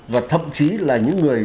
và thậm chí là những người